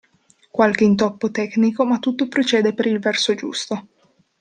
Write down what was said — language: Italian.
Qualche intoppo tecnico ma tutto procede per il verso giusto.